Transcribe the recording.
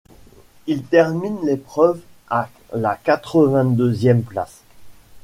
Il termine l'épreuve à la quatre-vingt deuxième place.